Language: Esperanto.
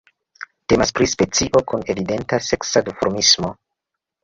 Temas pri specio kun evidenta seksa duformismo.